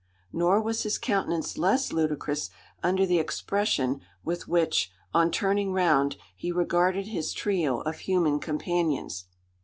Nor was his countenance less ludicrous under the expression with which, on turning round, he regarded his trio of human companions.